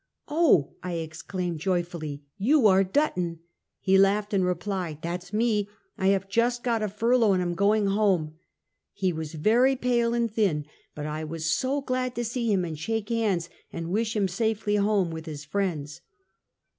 " Oh! " I exclaimed joyfully, "you are Dutton." He laughed, and replied, " That's me. I have just got a furlough and am going home." He was very pale and thin, but I was so glad to see him and shake hands, and wish him safely home with his friends.